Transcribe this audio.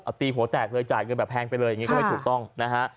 เอาตีหัวแตกเลยจ่ายเงินแบบแพงไปเลยอย่างนี้ก็ไม่ถูกต้องนะฮะ